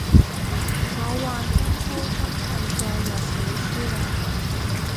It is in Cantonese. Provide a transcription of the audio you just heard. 我話今舖真係載入史書喇